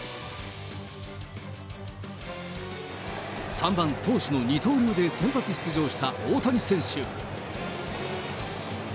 ３番投手の二刀流で先発出場した大谷選手。